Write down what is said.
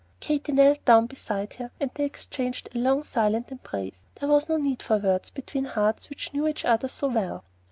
Katy knelt down beside her, and they exchanged a long, silent embrace. There was no need for words between hearts which knew each other so well.